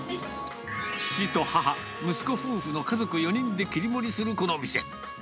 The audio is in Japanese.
父と母、息子夫婦の家族４人で切り盛りするこの店。